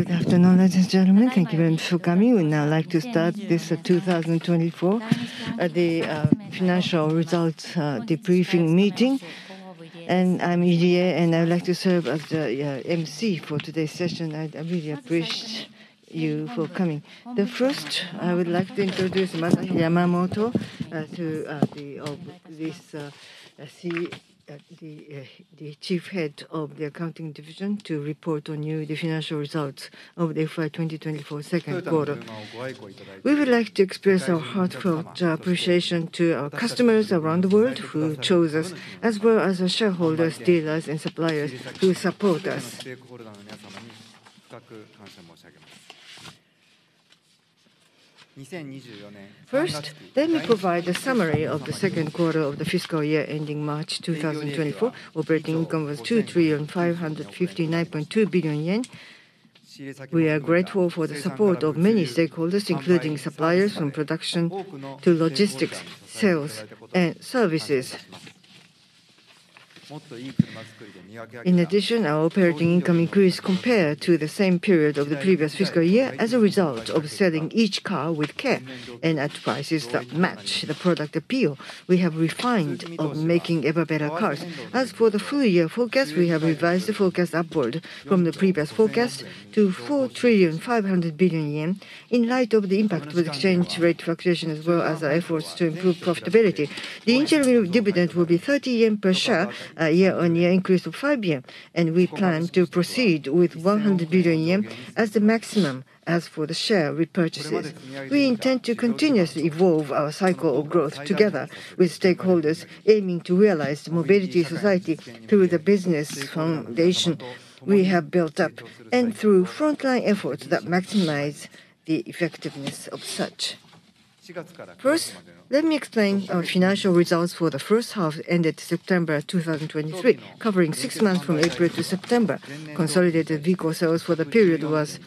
Good afternoon, ladies and gentlemen. Thank you very much for coming. We'd now like to start this 2024 financial results debriefing meeting. I'm Ueda and I would like to serve as the MC for today's session. I really appreciate you for coming. First, I would like to introduce Masahiro Yamamoto, the Chief Officer of the Accounting Group, to report on the financial results of the FY 2024 second quarter. We would like to express our heartfelt appreciation to our customers around the world who chose us, as well as our shareholders, dealers, and suppliers who support us. First, let me provide a summary of the second quarter of the fiscal year ending March 2024. Operating income was 2,559.2 billion yen. We are grateful for the support of many stakeholders, including suppliers, from production to logistics, sales, and services. In addition, our operating income increased compared to the same period of the previous fiscal year as a result of selling each car with care and at prices that match the product appeal. We have refined on making ever-better cars. As for the full year forecast, we have revised the forecast upward from the previous forecast to 4,500 billion yen, in light of the impact of exchange rate fluctuation, as well as our efforts to improve profitability. The interim dividend will be 30 yen per share, a year-on-year increase of 5 yen, and we plan to proceed with 100 billion yen as the maximum. As for the share repurchases, we intend to continuously evolve our cycle of growth together with stakeholders, aiming to realize the mobility society through the business foundation we have built up, and through frontline efforts that maximize the effectiveness of such. First, let me explain our financial results for the first half, ended September 2023, covering six months from April to September. Consolidated vehicle sales for the period was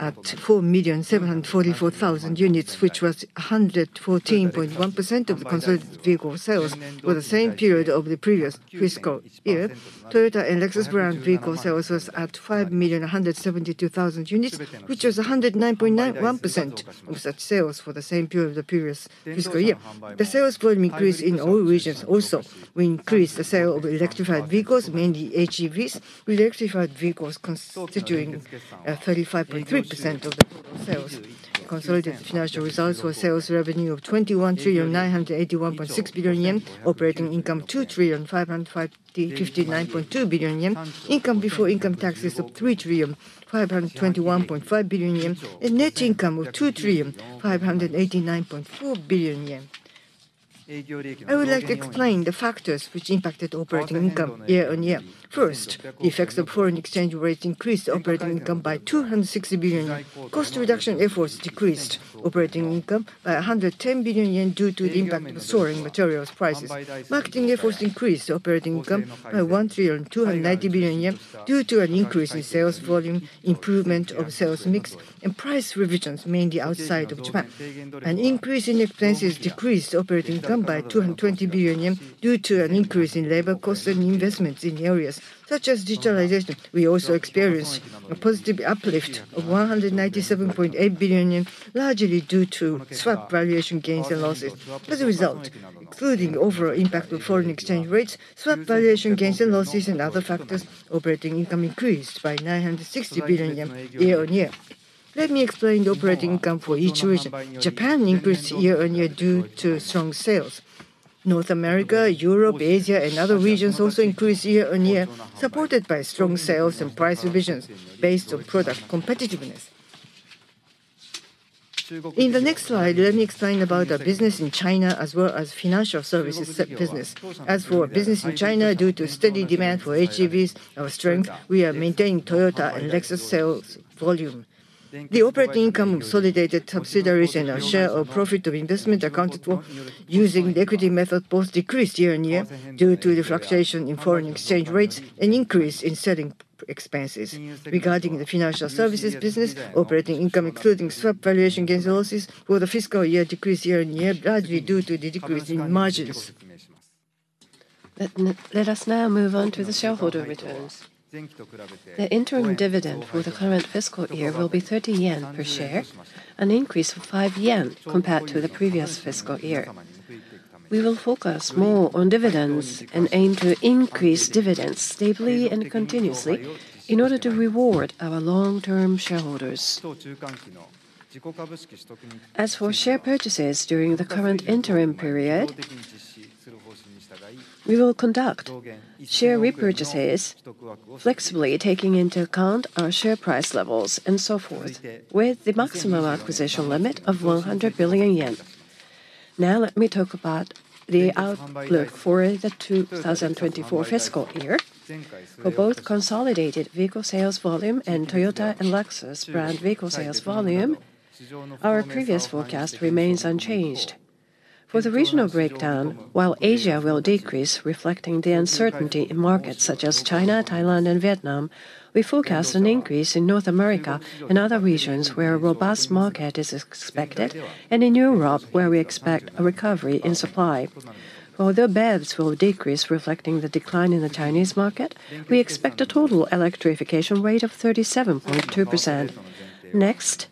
at 4,744,000 units, which was 114.1% of the consolidated vehicle sales for the same period of the previous fiscal year. Toyota and Lexus brand vehicle sales was at 5,172,000 units, which was 109.91% of such sales for the same period of the previous fiscal year. The sales volume increased in all regions. Also, we increased the sale of electrified vehicles, mainly HEVs, with electrified vehicles constituting 35.3% of the total sales. Consolidated financial results were sales revenue of 21,981.6 billion yen, operating income 2,559.2 billion yen, income before income taxes of 3,521.5 billion yen, and net income of 2,589.4 billion yen. I would like to explain the factors which impacted operating income year-on-year. First, the effects of foreign exchange rates increased operating income by 260 billion yen. Cost reduction efforts decreased operating income by 110 billion yen, due to the impact of soaring materials prices. Marketing efforts increased operating income by 1 trillion 290 billion, due to an increase in sales volume, improvement of sales mix, and price revisions, mainly outside of Japan. An increase in expenses decreased operating income by 220 billion yen, due to an increase in labor costs and investments in areas such as digitalization. We also experienced a positive uplift of 197.8 billion, largely due to swap valuation gains and losses. As a result, including overall impact of foreign exchange rates, swap valuation gains and losses, and other factors, operating income increased by 960 billion yen year-on-year. Let me explain the operating income for each region. Japan increased year-on-year due to strong sales. North America, Europe, Asia, and other regions also increased year-on-year, supported by strong sales and price revisions based on product competitiveness. In the next slide, let me explain about the business in China, as well as financial services business. As for business in China, due to steady demand for HEVs, our strength, we are maintaining Toyota and Lexus sales volume. The operating income of consolidated subsidiaries and our share of profit of investment accounted for using the equity method, both decreased year-on-year, due to the fluctuation in foreign exchange rates and increase in selling expenses. Regarding the financial services business, operating income, including swap valuation gains and losses, for the fiscal year decreased year-on-year, largely due to the decrease in margins. Let us now move on to the shareholder returns. The interim dividend for the current fiscal year will be 30 yen per share, an increase of 5 yen compared to the previous fiscal year. We will focus more on dividends and aim to increase dividends stably and continuously in order to reward our long-term shareholders. As for share purchases, during the current interim period, we will conduct share repurchases flexibly, taking into account our share price levels and so forth, with the maximum acquisition limit of 100 billion yen. Now, let me talk about the outlook for the 2024 fiscal year. For both consolidated vehicle sales volume and Toyota and Lexus brand vehicle sales volume, our previous forecast remains unchanged. For the regional breakdown, while Asia will decrease, reflecting the uncertainty in markets such as China, Thailand, and Vietnam, we forecast an increase in North America and other regions where a robust market is expected, and in Europe, where we expect a recovery in supply. Although BEVs will decrease, reflecting the decline in the Chinese market, we expect a total electrification rate of 37.2%. Next?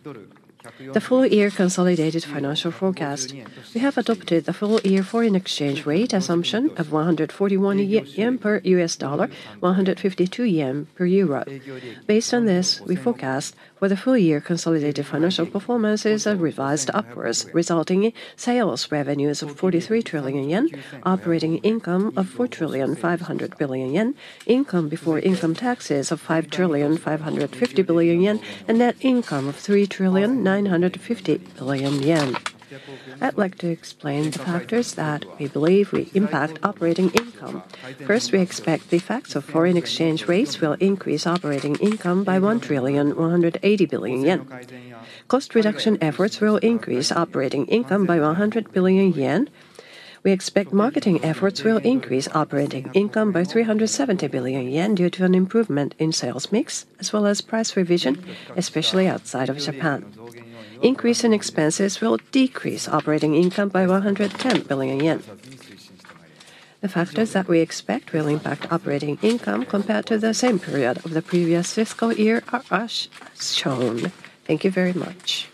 .The full-year consolidated financial forecast. We have adopted the full-year foreign exchange rate assumption of 141 yen per US dollar, 152 yen per euro. Based on this, we forecast for the full year, consolidated financial performances are revised upwards, resulting in sales revenues of 43 trillion yen, operating income of 4.5 trillion, income before income taxes of 5.55 trillion, and net income of 3.95 trillion. I'd like to explain the factors that we believe will impact operating income. First, we expect the effects of foreign exchange rates will increase operating income by 1.18 trillion. Cost reduction efforts will increase operating income by 100 billion yen. We expect marketing efforts will increase operating income by 370 billion yen due to an improvement in sales mix, as well as price revision, especially outside of Japan. Increase in expenses will decrease operating income by 110 billion yen. The factors that we expect will impact operating income compared to the same period of the previous fiscal year are as shown. Thank you very much.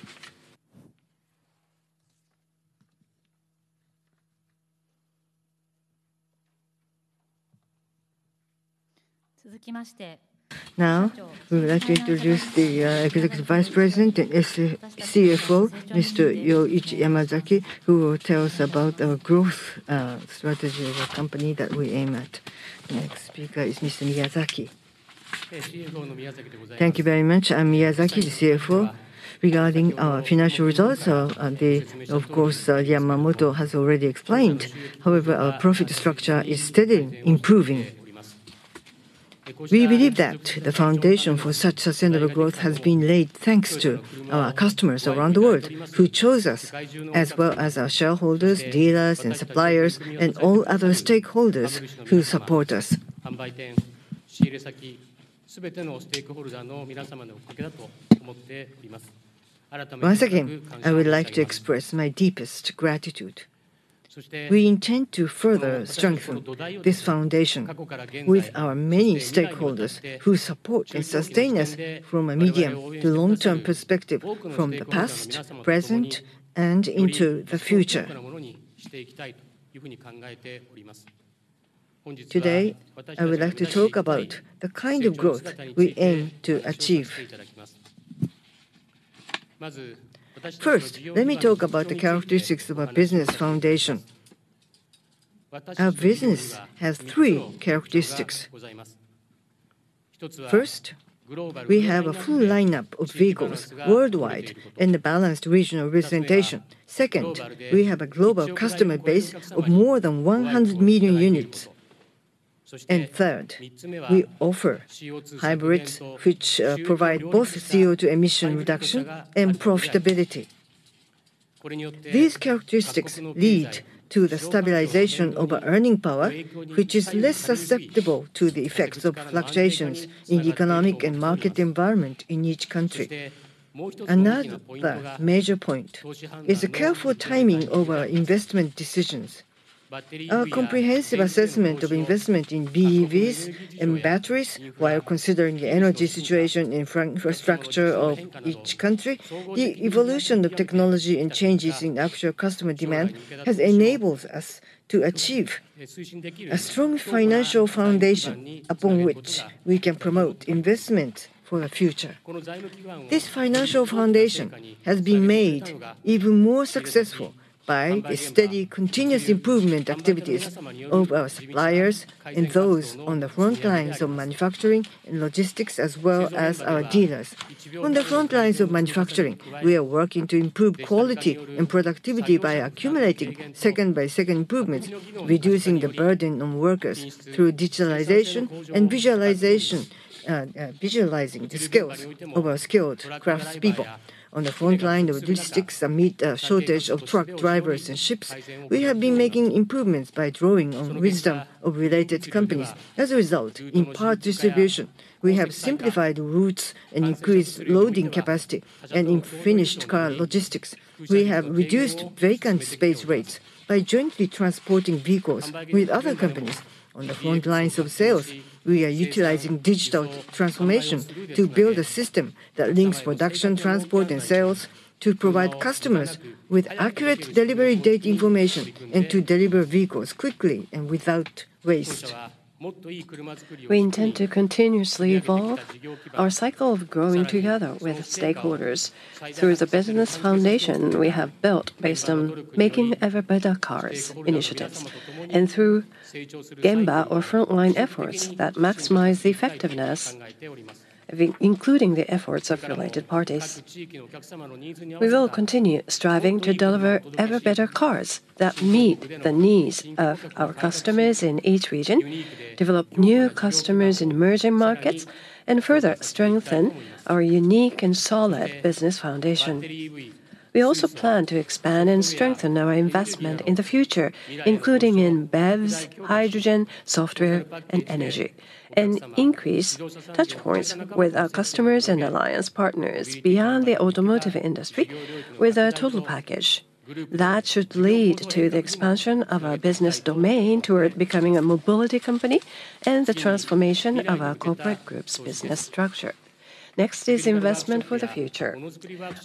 Now, we would like to introduce the Executive Vice President and CFO, Mr. Yoichi Miyazaki, who will tell us about our growth strategy of the company that we aim at. The next speaker is Mr. Miyazaki. Thank you very much. I'm Miyazaki, the CFO. Regarding our financial results, Of course, Yamamoto has already explained, however, our profit structure is steadily improving. We believe that the foundation for such sustainable growth has been laid thanks to our customers around the world, who chose us, as well as our shareholders, dealers and suppliers, and all other stakeholders who support us. Once again, I would like to express my deepest gratitude. We intend to further strengthen this foundation with our many stakeholders who support and sustain us from a medium- to long-term perspective from the past, present, and into the future. Today, I would like to talk about the kind of growth we aim to achieve. First, let me talk about the characteristics of our business foundation. Our business has three characteristics. First, we have a full lineup of vehicles worldwide and a balanced regional representation. Second, we have a global customer base of more than 100 million units. And third, we offer hybrids, which, provide both CO2 emission reduction and profitability. These characteristics lead to the stabilization of our earning power, which is less susceptible to the effects of fluctuations in economic and market environment in each country. Another major point is the careful timing of our investment decisions. Our comprehensive assessment of investment in BEVs and batteries, while considering the energy situation and infrastructure of each country, the evolution of technology and changes in actual customer demand, has enabled us to achieve a strong financial foundation upon which we can promote investment for the future. This financial foundation has been made even more successful by the steady, continuous improvement activities of our suppliers and those on the frontlines of manufacturing and logistics, as well as our dealers. On the frontlines of manufacturing, we are working to improve quality and productivity by accumulating second-by-second improvements, reducing the burden on workers through digitalization and visualization, visualizing the skills of our skilled craftspeople. On the frontline of logistics, amid a shortage of truck drivers and ships, we have been making improvements by drawing on wisdom of related companies. As a result, in parts distribution, we have simplified routes and increased loading capacity, and in finished car logistics, we have reduced vacant space rates by jointly transporting vehicles with other companies. On the frontlines of sales, we are utilizing digital transformation to build a system that links production, transport, and sales, to provide customers with accurate delivery date information, and to deliver vehicles quickly and without waste. We intend to continuously evolve our cycle of growing together with stakeholders through the business foundation we have built based on making ever-better cars initiatives, and through Gemba or frontline efforts that maximize the effectiveness, including the efforts of related parties. We will continue striving to deliver ever-better cars that meet the needs of our customers in each region, develop new customers in emerging markets, and further strengthen our unique and solid business foundation. We also plan to expand and strengthen our investment in the future, including in BEVs, hydrogen, software, and energy, and increase touchpoints with our customers and alliance partners beyond the automotive industry, with a total package. That should lead to the expansion of our business domain toward becoming a mobility company, and the transformation of our corporate group's business structure.... Next is investment for the future.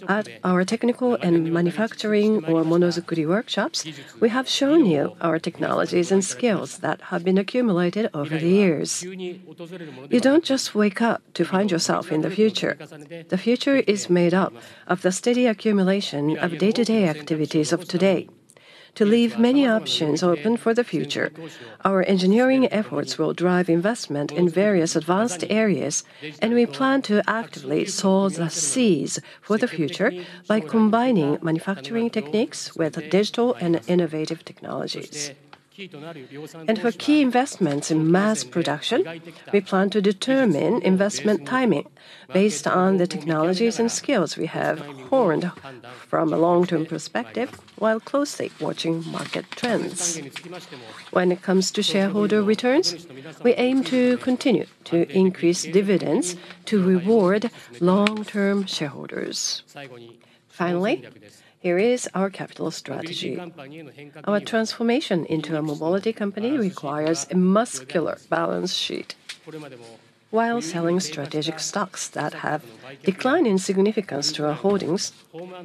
At our technical and manufacturing, or Monozukuri workshops, we have shown you our technologies and skills that have been accumulated over the years. You don't just wake up to find yourself in the future. The future is made up of the steady accumulation of day-to-day activities of today. To leave many options open for the future, our engineering efforts will drive investment in various advanced areas, and we plan to actively sow the seeds for the future by combining manufacturing techniques with digital and innovative technologies. And for key investments in mass production, we plan to determine investment timing based on the technologies and skills we have honed from a long-term perspective, while closely watching market trends. When it comes to shareholder returns, we aim to continue to increase dividends to reward long-term shareholders. Finally, here is our capital strategy. Our transformation into a mobility company requires a muscular balance sheet. While selling strategic stocks that have declined in significance to our holdings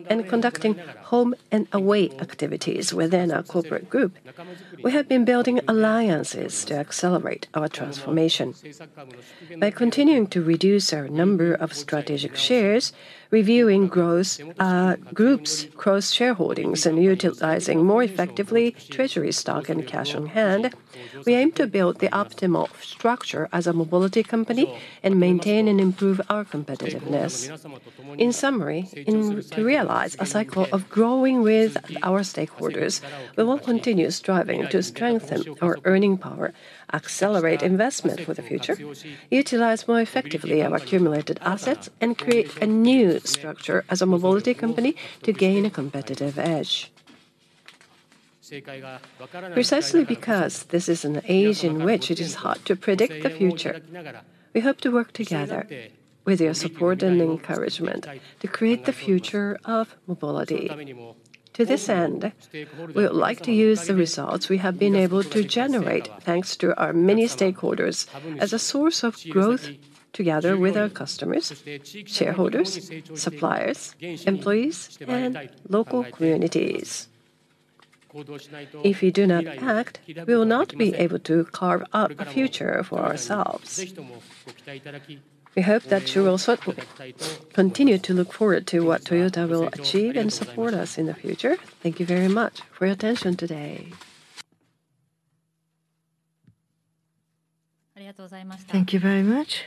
and conducting home-and-away activities within our corporate group, we have been building alliances to accelerate our transformation. By continuing to reduce our number of strategic shares, reviewing growth, groups, cross-shareholdings, and utilizing more effectively treasury stock and cash on hand, we aim to build the optimal structure as a mobility company and maintain and improve our competitiveness. In summary, to realize a cycle of growing with our stakeholders, we will continue striving to strengthen our earning power, accelerate investment for the future, utilize more effectively our accumulated assets, and create a new structure as a mobility company to gain a competitive edge. Precisely because this is an age in which it is hard to predict the future, we hope to work together with your support and encouragement to create the future of mobility. To this end, we would like to use the results we have been able to generate, thanks to our many stakeholders, as a source of growth together with our customers, shareholders, suppliers, employees, and local communities. If we do not act, we will not be able to carve out a future for ourselves. We hope that you will also continue to look forward to what Toyota will achieve and support us in the future. Thank you very much for your attention today. Thank you very much.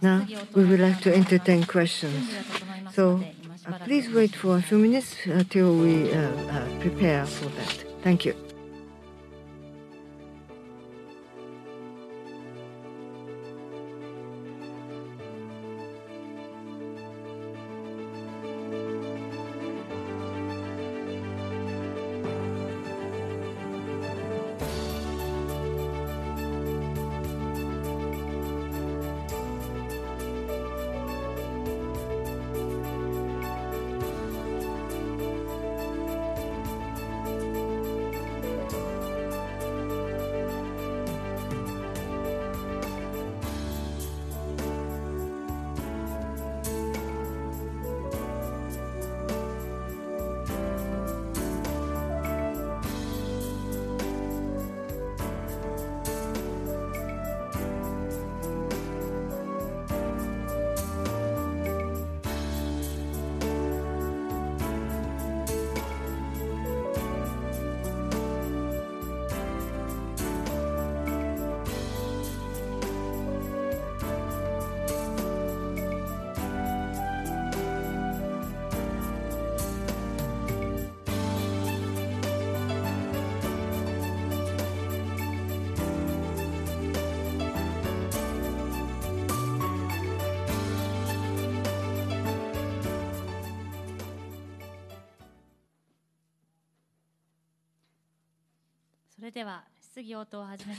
Now, we would like to entertain questions, so, please wait for a few minutes, till we prepare for that. Thank you.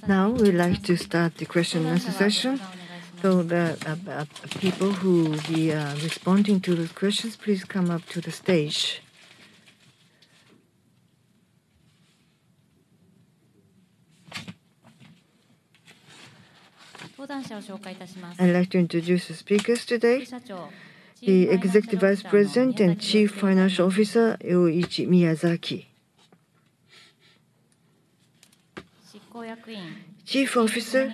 Now, we'd like to start the question and answer session. So the people who will be responding to the questions, please come up to the stage. I'd like to introduce the speakers today. The Executive Vice President and Chief Financial Officer, Yoichi Miyazaki; Chief Officer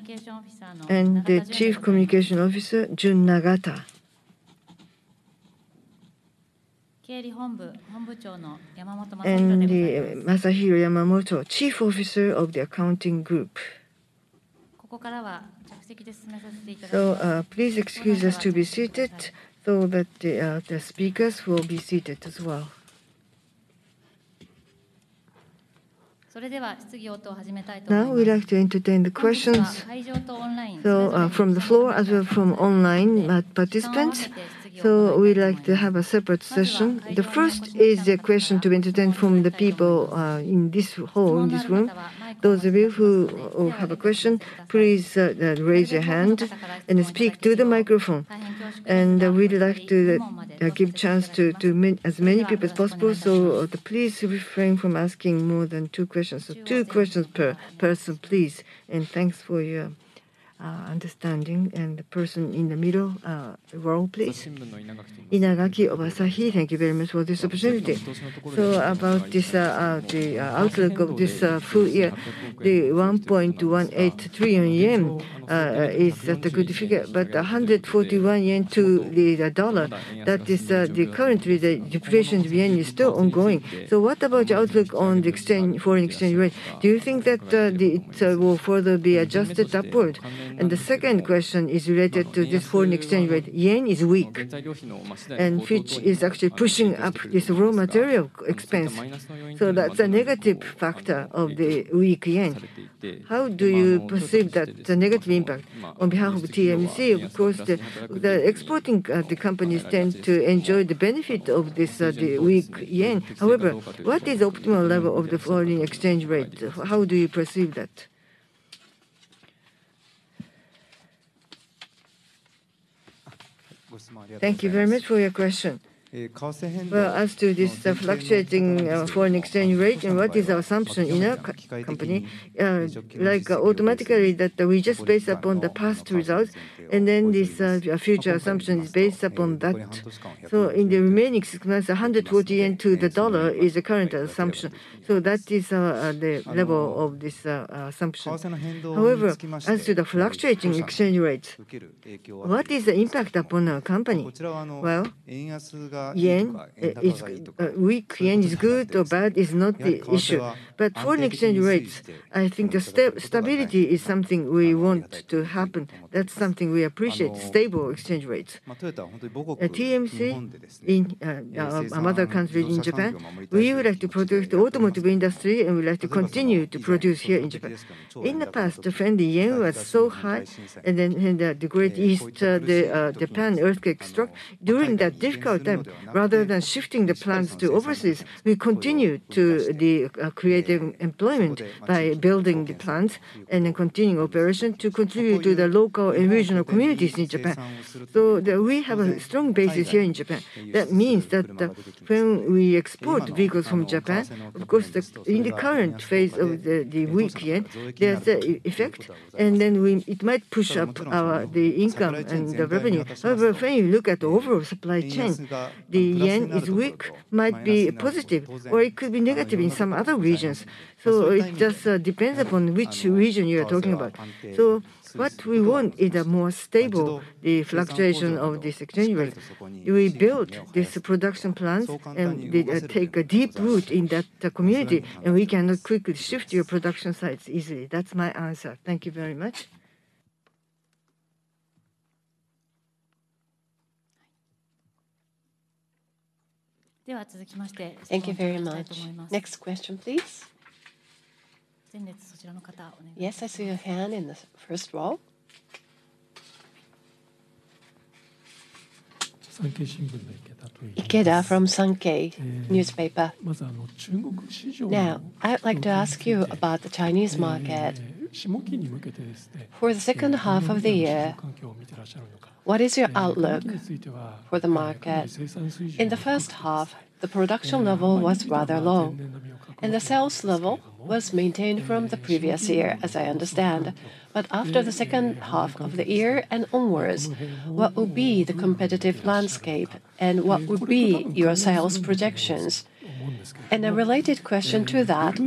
and the Chief Communications Officer, Jun Nagata; and Masahiro Yamamoto, Chief Officer of the Accounting Group. So, please excuse us to be seated, so that the speakers will be seated as well. Now, we'd like to entertain the questions, so, from the floor as well from online participants, so we'd like to have a separate session. The first is the question to be entertained from the people in this hall, in this room. Those of you who have a question, please raise your hand and speak to the microphone. And we'd like to give chance to many—as many people as possible, so please refrain from asking more than two questions. So two questions per person, please, and thanks for your understanding and the person in the middle row, please. Inagaki of Asahi. Thank you very much for this opportunity. So about this, the outlook of this full year, the 1.18 trillion yen, is that a good figure? But, 141 yen to the dollar, that is, currently the deflation of yen is still ongoing. So what about your outlook on the exchange, foreign exchange rate? Do you think that it will further be adjusted upward? And the second question is related to this foreign exchange rate. Yen is weak, and which is actually pushing up this raw material expense, so that's a negative factor of the weak yen. How do you perceive that, the negative impact? On behalf of TMC, of course, the exporting companies tend to enjoy the benefit of this the weak yen. However, what is optimal level of the foreign exchange rate? How do you perceive that? Thank you very much for your question. Well, as to this, the fluctuating foreign exchange rate, and what is our assumption in our company, like, automatically, that we just base upon the past results, and then this future assumption is based upon that. So in the remaining six months, 140 yen to the dollar is the current assumption, so that is the level of this assumption. However, as to the fluctuating exchange rate, what is the impact upon our company? Well, yen, it, it's weak yen is good or bad is not the issue. But foreign exchange rates, I think the stability is something we want to happen. That's something we appreciate, stable exchange rates. At TMC, in our mother country in Japan, we would like to protect the automotive industry, and we would like to continue to produce here in Japan. In the past, the friendly yen was so high, and then, and, the Great East Japan Earthquake struck. During that difficult time, rather than shifting the plans to overseas, we continued creating employment by building the plants and then continuing operation to contribute to the local and regional communities in Japan. So we have a strong basis here in Japan. That means that, when we export vehicles from Japan, of course, in the current phase of the weak yen, there's an effect, and then it might push up our income and the revenue. However, when you look at the overall supply chain, the Japanese yen is weak might be positive, or it could be negative in some other regions. So it just depends upon which region you are talking about. So what we want is a more stable, the fluctuation of this exchange rate. We build this production plant, and they take a deep root in that, the community, and we cannot quickly shift your production sites easily. That's my answer. Thank you very much. Thank you very much. Next question, please. Yes, I see your hand in the first row. Ikeda from Sankei Shimbun. Now, I would like to ask you about the Chinese market. For the second half of the year, what is your outlook for the market? In the first half, the production level was rather low, and the sales level was maintained from the previous year, as I understand. After the second half of the year and onwards, what will be the competitive landscape, and what would be your sales projections? A related question to that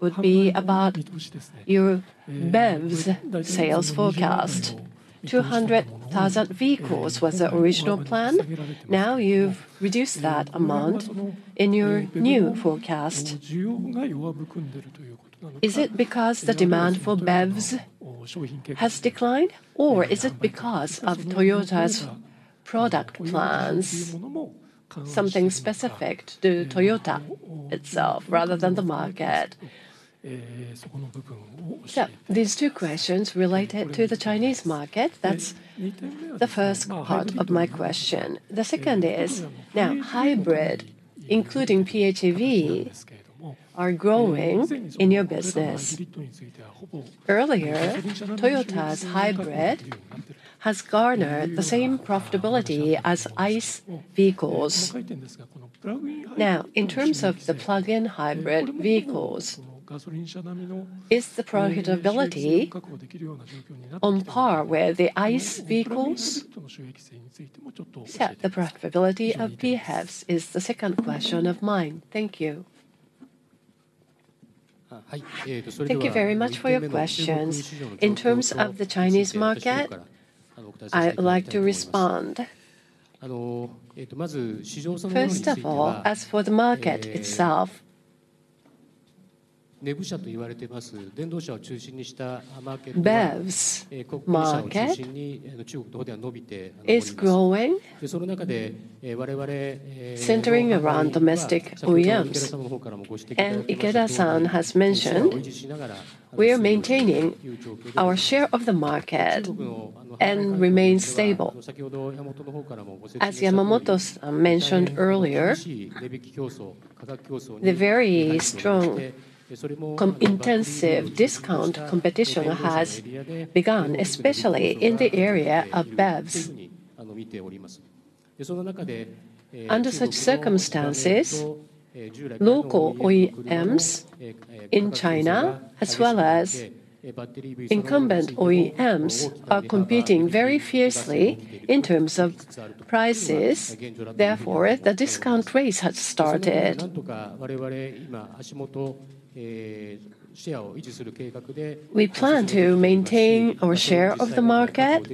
would be about your BEVs sales forecast. 200,000 vehicles was the original plan. Now you've reduced that amount in your new forecast. Is it because the demand for BEVs has declined, or is it because of Toyota's product plans, something specific to Toyota itself rather than the market? These two questions related to the Chinese market, that's the first part of my question. The second is, now, hybrid, including PHEV, are growing in your business. Earlier, Toyota's hybrid has garnered the same profitability as ICE vehicles. Now, in terms of the plug-in hybrid vehicles, is the profitability on par with the ICE vehicles? Yeah, the profitability of BEVs is the second question of mine. Thank you. Thank you very much for your questions. In terms of the Chinese market, I would like to respond. First of all, as for the market itself, BEVs market is growing, centering around domestic OEMs. Ikeda-san has mentioned, we are maintaining our share of the market and remain stable. As Yamamoto-san mentioned earlier, the very strong intensive discount competition has begun, especially in the area of BEVs. Under such circumstances, local OEMs in China, as well as incumbent OEMs, are competing very fiercely in terms of prices. Therefore, the discount race has started. We plan to maintain our share of the market,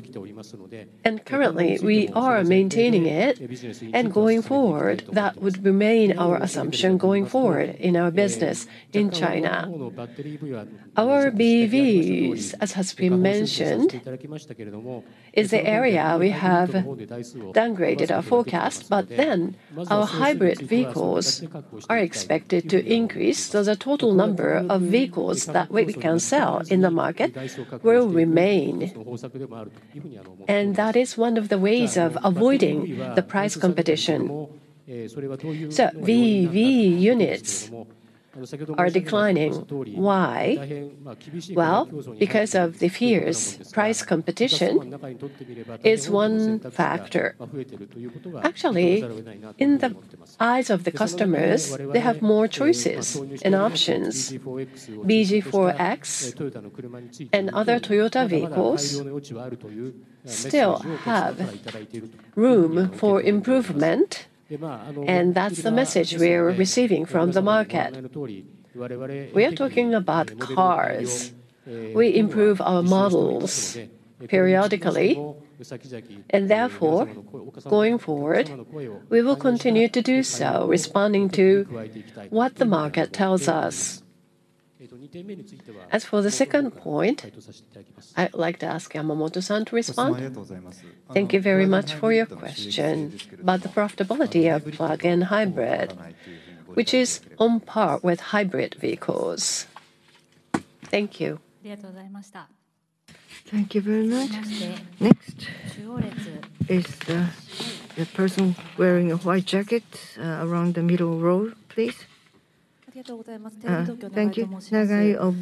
and currently we are maintaining it, and going forward, that would remain our assumption going forward in our business in China. Our BEVs, as has been mentioned, is the area we have downgraded our forecast, but then our hybrid vehicles are expected to increase, so the total number of vehicles that we can sell in the market will remain. That is one of the ways of avoiding the price competition. BEV units are declining. Why? Well, because of the fierce price competition is one factor. Actually, in the eyes of the customers, they have more choices and options. bZ4X and other Toyota vehicles still have room for improvement, and that's the message we are receiving from the market. We are talking about cars. We improve our models periodically, and therefore, going forward, we will continue to do so, responding to what the market tells us. As for the second point, I'd like to ask Yamamoto-san to respond. Thank you very much for your question. About the profitability of plug-in hybrid, which is on par with hybrid vehicles. Thank you. Thank you very much. Next is the person wearing a white jacket around the middle row, please. Thank you. Nagai of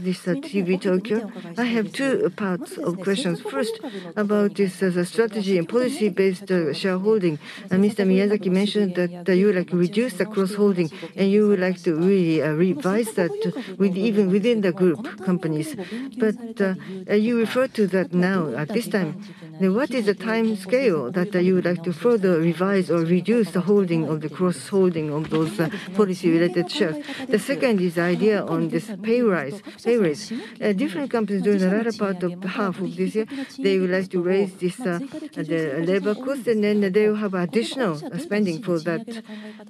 TV Tokyo. I have two parts of questions. First, about this, as a strategy and policy-based shareholding. Mr. Miyazaki mentioned that you would like to reduce the cross-holding, and you would like to really revise that with even within the group companies. But you refer to that now, at this time. Now, what is the time scale that you would like to further revise or reduce the holding of the cross-holding of those policy-related shares? The second is idea on this pay rise, pay raise. Different companies during the latter part of the half of this year, they would like to raise this, the labor cost, and then they will have additional spending for that.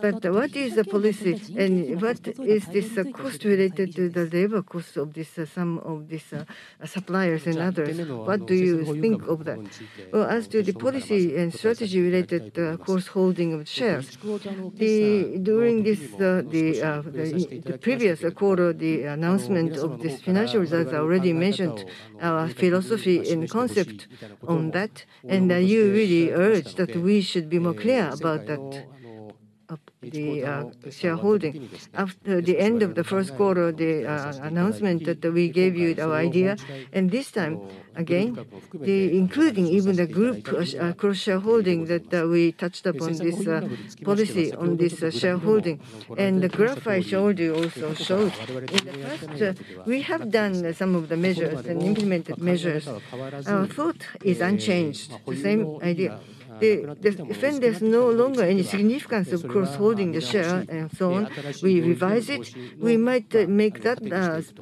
But what is the policy, and what is this cost related to the labor cost of this, some of these suppliers and others? What do you think of that? Well, as to the policy and strategy related cross-holding of shares. During this, the previous quarter, the announcement of this financial results, I already mentioned our philosophy and concept on that, and you really urged that we should be more clear about that, of the shareholding. After the end of the first quarter, the announcement that we gave you our idea, and this time, again, the including even the group cross cross-shareholding, that we touched upon this policy on this shareholding. And the graph I showed you also shows that, first, we have done some of the measures and implemented measures. Our thought is unchanged, the same idea. When there's no longer any significance of cross-holding the share and so on, we revise it. We might make that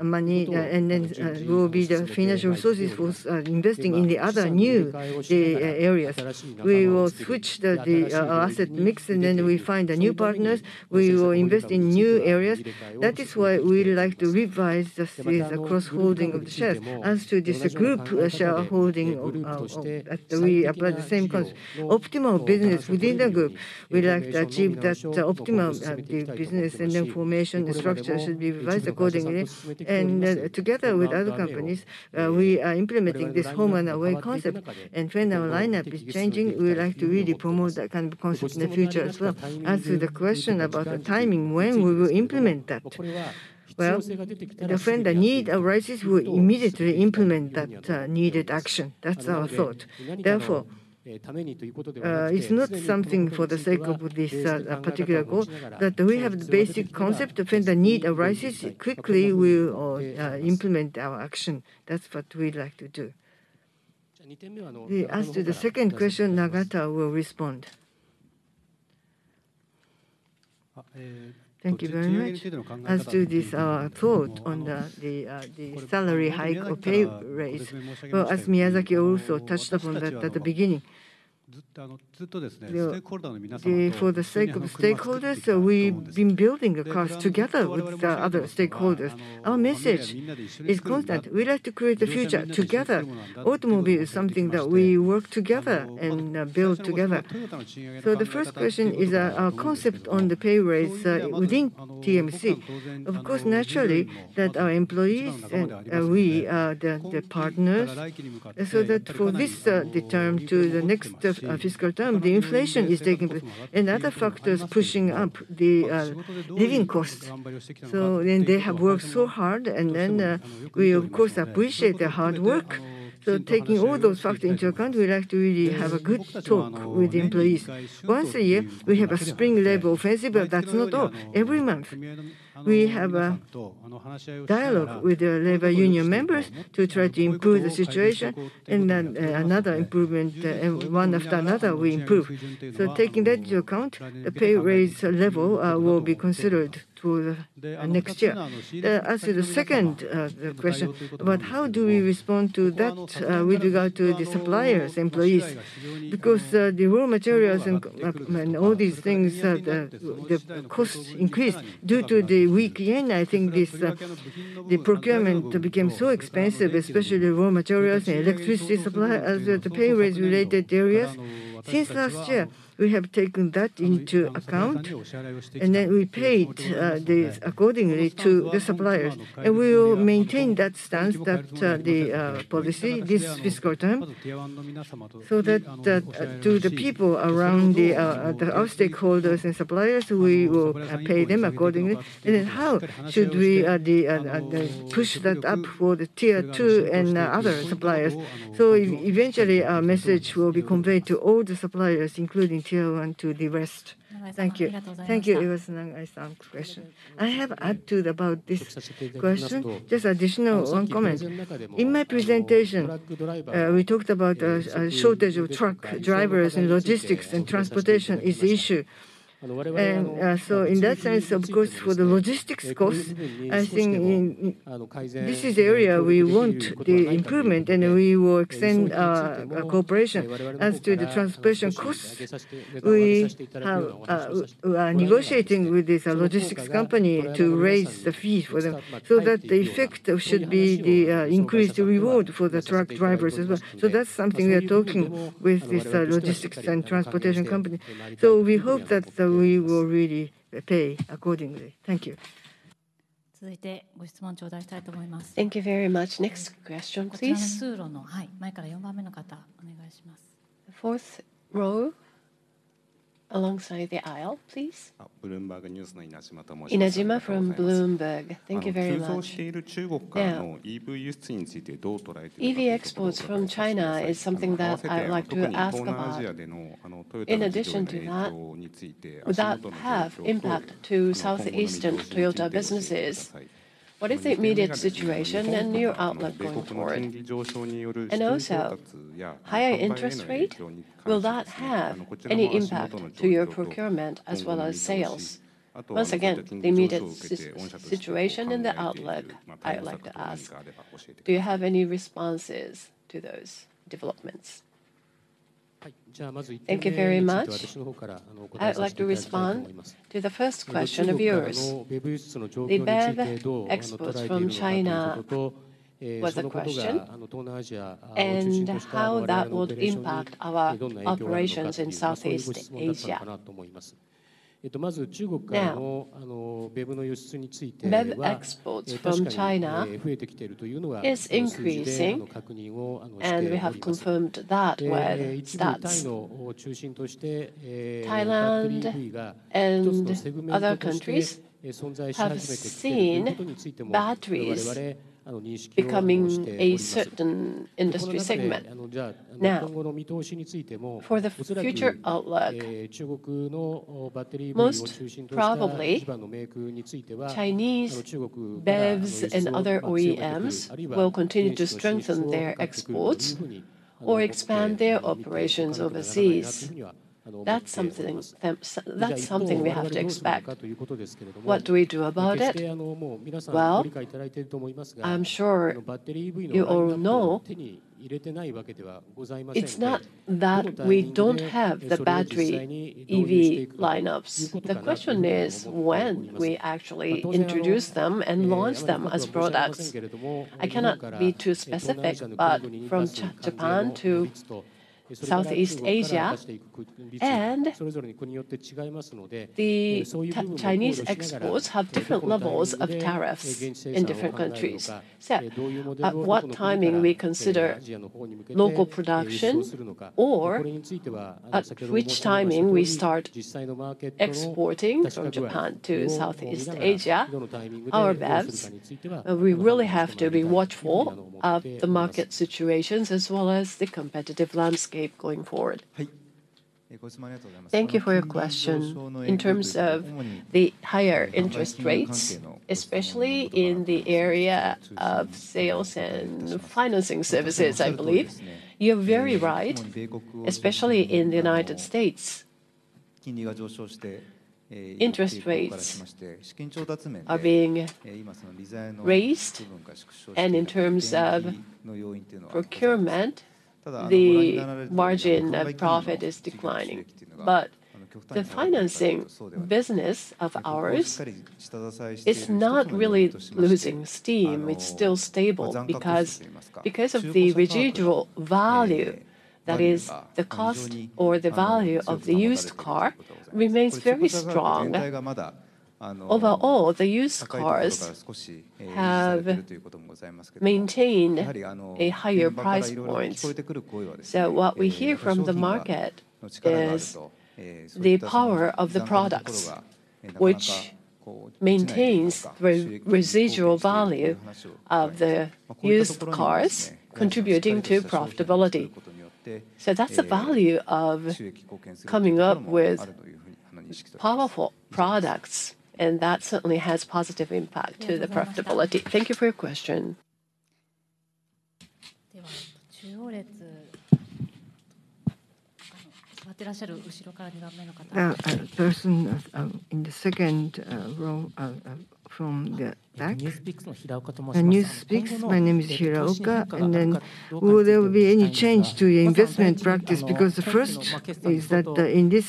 money, and then will be the financial resources for investing in the other new areas. We will switch the asset mix, and then we find the new partners. We will invest in new areas. That is why we like to revise the cross-holding of the shares. As to this group shareholding, we apply the same concept. Optimal business within the group, we like to achieve that optimal business, and then formation, the structure should be revised accordingly. Together with other companies, we are implementing this home-and-away concept. When our lineup is changing, we would like to really promote that kind of concept in the future as well. As to the question about the timing, when we will implement that, well, when the need arises, we'll immediately implement that needed action. That's our thought. Therefore, it's not something for the sake of this particular goal that we have the basic concept. When the need arises, quickly we will implement our action. That's what we'd like to do. As to the second question, Nagata will respond. Thank you very much. As to this, our thought on the salary hike or pay raise, well, as Miyazaki also touched upon that at the beginning. For the sake of stakeholders, so we've been building a cost together with the other stakeholders. Our message is constant: We like to create the future together. Automobile is something that we work together and build together. So the first question is, our concept on the pay raise within TMC. Of course, naturally, that our employees and we are the partners, so that for this, the term to the next fiscal term, the inflation is taking place and other factors pushing up the living costs. So, and they have worked so hard, and then we of course appreciate their hard work. So taking all those factors into account, we like to really have a good talk with employees. Once a year, we have a Spring Labor Offensive, but that's not all. Every month, we have a dialogue with the labor union members to try to improve the situation, and then, another improvement, and one after another, we improve. So taking that into account, the pay raise level will be considered for the next year. As to the second question, about how do we respond to that with regard to the suppliers' employees? Because the raw materials and all these things, the costs increased. Due to the weak yen, I think this, the procurement became so expensive, especially raw materials and electricity supply, as with the pay raise related areas. Since last year, we have taken that into account, and then we paid these accordingly to the suppliers. And we will maintain that stance, that policy this fiscal term, so that to the people around our stakeholders and suppliers, we will pay them accordingly. And then how should we push that up for the Tier Two and other suppliers? So eventually, our message will be conveyed to all the suppliers, including Tier One to the rest. Thank you. Thank you, Inagaki-san, question. I have to add about this question, just additional one comment. In my presentation, we talked about a shortage of truck drivers and logistics, and transportation is issue. And so in that sense, of course, for the logistics costs, I think in... This is the area we want the improvement, and we will extend a cooperation. As to the transportation costs, we are negotiating with this logistics company to raise the fee for them, so that the effect of should be the increased reward for the truck drivers as well. So that's something we are talking with this logistics and transportation company. So we hope that we will really pay accordingly. Thank you. Thank you very much. Next question, please. Fourth row, alongside the aisle, please. Inajima from Bloomberg. Thank you very much. EV exports from China is something that I would like to ask about. In addition to that, will that have impact to Southeast Asian Toyota businesses? What is the immediate situation and your outlook going forward? And also, higher interest rate, will that have any impact to your procurement as well as sales? Once again, the immediate situation and the outlook, I'd like to ask. Do you have any responses to those developments? Thank you very much. I'd like to respond to the first question of yours. The BEV exports from China was the question, and how that would impact our operations in Southeast Asia. Now, BEV exports from China is increasing, and we have confirmed that with stats. Thailand and other countries have seen batteries becoming a certain industry segment. Now, for the future outlook, most probably, Chinese BEVs and other OEMs will continue to strengthen their exports or expand their operations overseas. That's something we have to expect. What do we do about it? Well, I'm sure you all know it's not that we don't have the battery EV lineups. The question is when we actually introduce them and launch them as products. I cannot be too specific, but from China, Japan to Southeast Asia, and the Chinese exports have different levels of tariffs in different countries. So at what timing we consider local production or at which timing we start exporting from Japan to Southeast Asia, our BEVs, we really have to be watchful of the market situations as well as the competitive landscape going forward. Thank you for your question. In terms of the higher interest rates, especially in the area of sales and financing services, I believe, you're very right, especially in the United States.... interest rates are being raised, and in terms of procurement, the margin of profit is declining. But the financing business of ours is not really losing steam. It's still stable because, because of the residual value, that is, the cost or the value of the used car remains very strong. Overall, the used cars have maintained a higher price points. So what we hear from the market is the power of the products, which maintains the residual value of the used cars, contributing to profitability. So that's the value of coming up with powerful products, and that certainly has positive impact to the profitability. Thank you for your question. Person in the second row from the back. NewsPicks, My name is Hira Oka. And then will there be any change to investment practice? Because the first is that, in this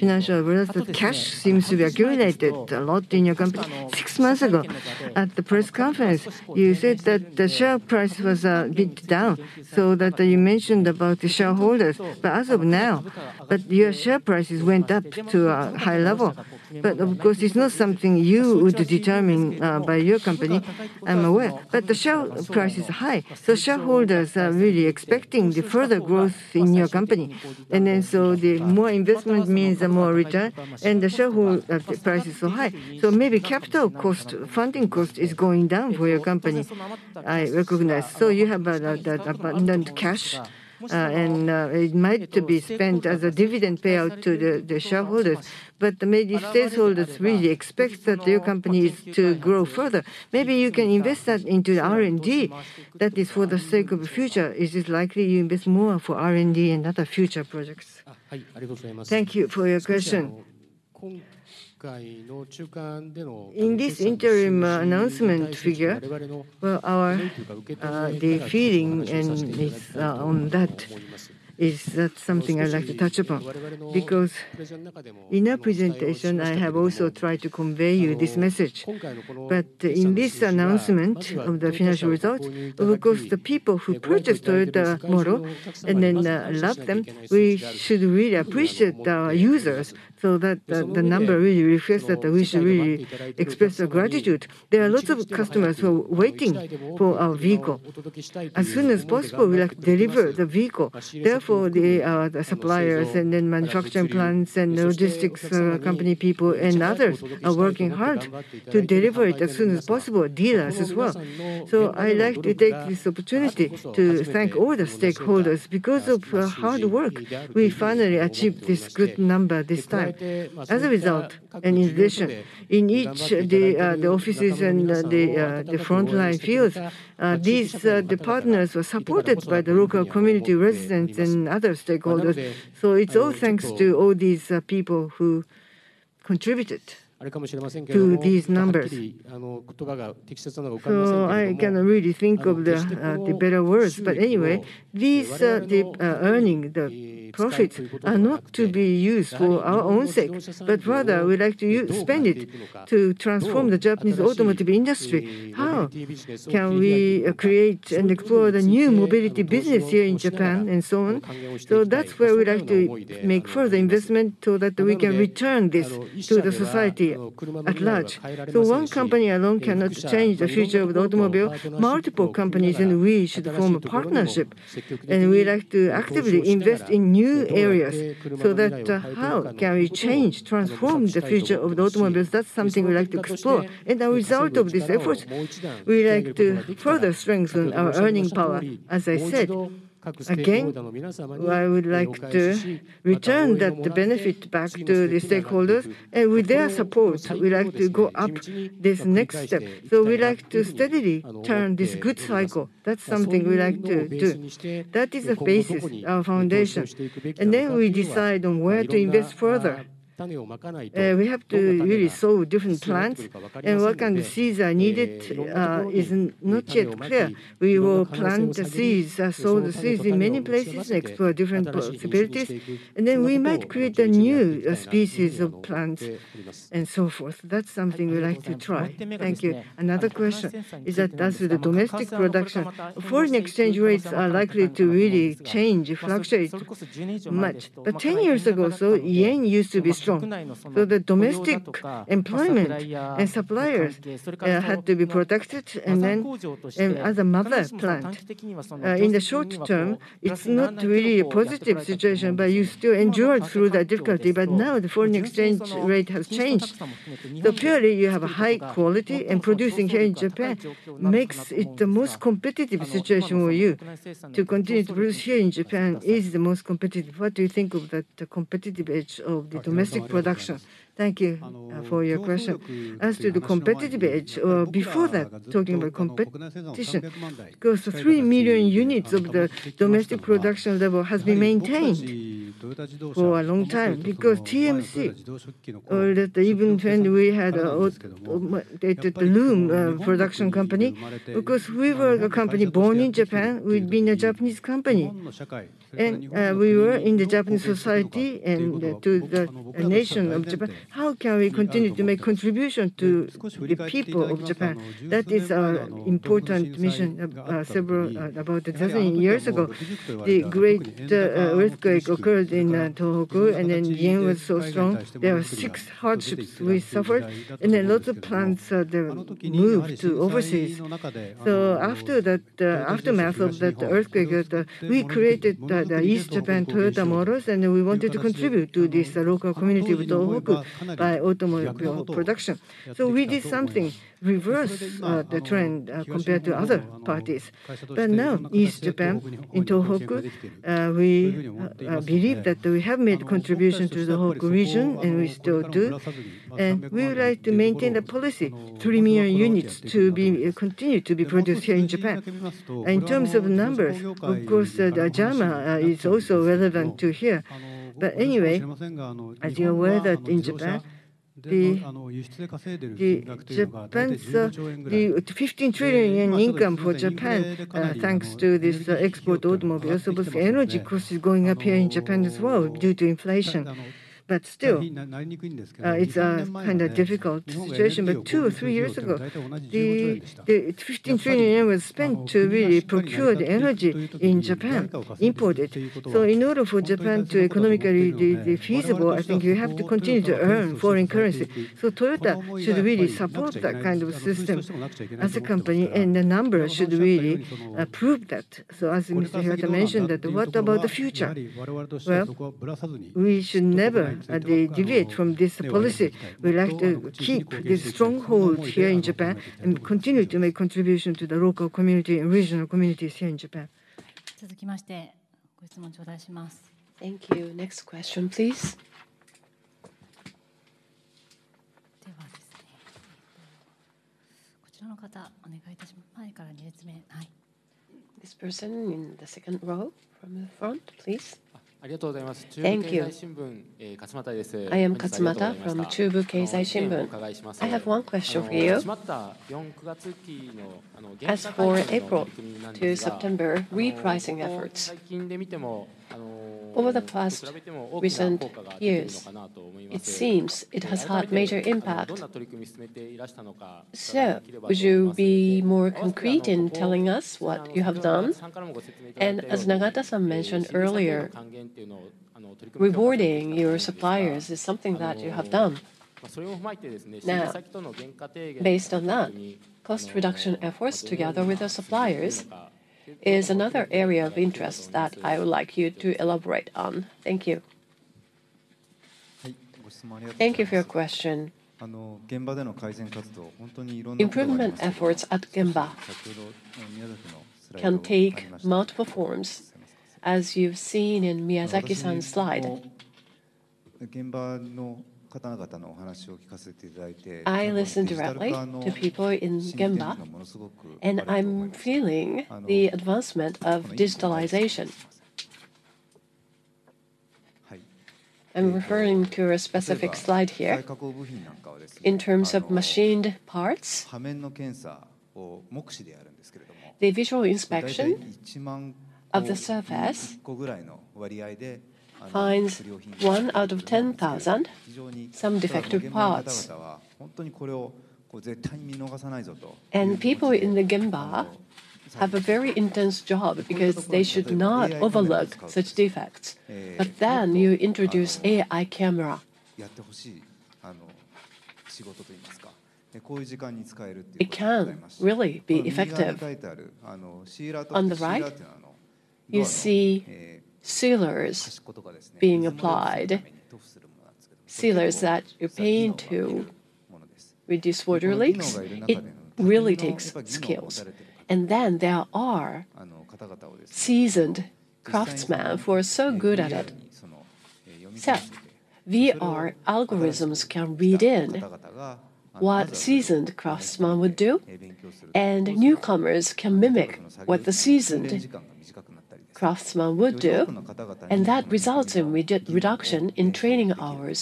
financial awareness, that cash seems to be accumulated a lot in your company. Six months ago, at the press conference, you said that the share price was a bit down, so that you mentioned about the shareholders. But as of now, but your share prices went up to a high level. But of course, it's not something you would determine by your company, I'm aware. But the share price is high, so shareholders are really expecting the further growth in your company. And then, so the more investment means the more return, and the shareholder price is so high. So maybe capital cost, funding cost is going down for your company, I recognize. So you have that, that abundant cash, and it might to be spent as a dividend payout to the shareholders. But maybe stakeholders really expect that your company is to grow further. Maybe you can invest that into R&D. That is for the sake of the future. Is it likely you invest more for R&D and other future projects? Thank you for your question. In this interim announcement figure, well, our feeling and it's on that. That's something I'd like to touch upon. Because in our presentation, I have also tried to convey you this message, but in this announcement of the financial results, of course, the people who purchased Toyota model and then love them, we should really appreciate the users, so that the number really reflects that, we should really express our gratitude. There are lots of customers who are waiting for our vehicle. As soon as possible, we like to deliver the vehicle. Therefore, the suppliers, and then manufacturing plants, and logistics company people and others are working hard to deliver it as soon as possible, dealers as well. So I'd like to take this opportunity to thank all the stakeholders. Because of your hard work, we finally achieved this good number this time. As a result, and in addition, in each of the offices and the frontline fields, these partners were supported by the local community residents and other stakeholders. So it's all thanks to all these people who contributed to these numbers. So I cannot really think of the better words, but anyway, these earnings, the profits, are not to be used for our own sake, but rather, we'd like to spend it to transform the Japanese automotive industry. How can we create and explore the new mobility business here in Japan, and so on? So that's where we'd like to make further investment, so that we can return this to the society at large. So one company alone cannot change the future of the automobile. Multiple companies and we should form a partnership, and we'd like to actively invest in new areas so that, how can we change, transform the future of the automobiles? That's something we'd like to explore. And the result of these efforts, we like to further strengthen our earning power. As I said, again, I would like to return that, the benefit, back to the stakeholders. And with their support, we'd like to go up this next step. So we'd like to steadily turn this good cycle. That's something we'd like to do. That is the basis, our foundation, and then we decide on where to invest further. We have to really sow different plants, and what kind of seeds are needed, is not yet clear. We will plant the seeds, sow the seeds in many places and explore different possibilities, and then we might create a new species of plants, and so forth. That's something we'd like to try. Thank you. Another question is that as the domestic production, foreign exchange rates are likely to really change, fluctuate much. But ten years ago, so yen used to be strong, so the domestic employment and suppliers had to be protected, and then, and as a mother plant. In the short term, it's not really a positive situation, but you still endured through the difficulty. But now the foreign exchange rate has changed. So clearly you have a high quality, and producing here in Japan makes it the most competitive situation for you. To continue to produce here in Japan is the most competitive. What do you think of that, the competitive edge of the domestic production? Thank you, for your question. As to the competitive edge, before that, talking about competition, of course, the 3 million units of the domestic production level has been maintained for a long time. Because TMC, that even when we had, the loom, production company, of course, we were a company born in Japan. We've been a Japanese company, and, we were in the Japanese society and to the, the nation of Japan. How can we continue to make contribution to the people of Japan? That is our important mission. Several, about thirteen years ago, the great, earthquake occurred in, Tohoku, and then yen was so strong. There were six hardships we suffered, and then lots of plants, then moved to overseas. So after that, aftermath of that earthquake, we created the East Japan Toyota models, and then we wanted to contribute to the local community of Tohoku by automobile production. So we did something, reversed the trend, compared to other parties. But now, East Japan, in Tohoku, we believe that we have made contribution to the Tohoku region, and we still do. And we would like to maintain the policy, 3 million units to be continue to be produced here in Japan. In terms of numbers, of course, the drama is also relevant to here. But anyway, as you're aware that in Japan. The Japan, sir, the 15 trillion yen income for Japan, thanks to this, export automobile. So energy costs is going up here in Japan as well due to inflation. But still, it's a kind of difficult situation, but two or three years ago, the 15 trillion yen was spent to really procure the energy in Japan, imported. So in order for Japan to economically be feasible, I think you have to continue to earn foreign currency. So Toyota should really support that kind of system as a company, and the numbers should really prove that. So as Mr. Hirata mentioned that, what about the future? Well, we should never deviate from this policy. We'd like to keep this stronghold here in Japan and continue to make contribution to the local community and regional communities here in Japan. Thank you. Next question, please. This person in the second row from the front, please. Thank you. I am Katsumata from Chubu Keizai Shimbun. I have one question for you. As for April to September repricing efforts, over the past recent years, it seems it has had major impact. So would you be more concrete in telling us what you have done? And as Nagata-san mentioned earlier, rewarding your suppliers is something that you have done. Now, based on that, cost reduction efforts together with the suppliers is another area of interest that I would like you to elaborate on. Thank you. Thank you for your question. Improvement efforts at Gemba can take multiple forms, as you've seen in Miyazaki-san's slide. I listened directly to people in Gemba, and I'm feeling the advancement of digitalization. I'm referring to a specific slide here. In terms of machined parts, the visual inspection of the surface finds 1 out of 10,000 some defective parts. People in the Gemba have a very intense job because they should not overlook such defects. But then you introduce AI camera. It can really be effective. On the right, you see sealers being applied, sealers that you're applying to reduce water leaks. It really takes skills. And then there are seasoned craftsmen who are so good at it. So VR algorithms can read in what seasoned craftsmen would do, and newcomers can mimic what the seasoned craftsman would do, and that results in reduction in training hours.